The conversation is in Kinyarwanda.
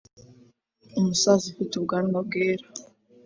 Umusaza ufite ubwanwa bwera